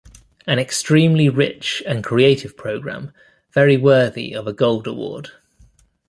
An extremely rich and creative programme very worthy of a Gold Award.